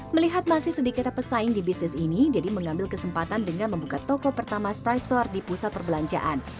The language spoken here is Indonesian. melihat masih sedikitnya pesaing di bisnis ini deddy mengambil kesempatan dengan membuka toko pertama stripe store di pusat perbelanjaan